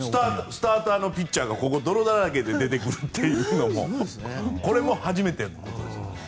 スターターのピッチャーが泥だらけで出てくるのも初めてのことです。